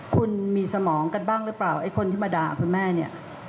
คุณมีสมองกันบ้างหรือเปล่าไอ้คนที่มาด่าคุณแม่เนี่ย